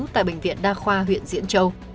tại bệnh viện đa khoa huyện diễn châu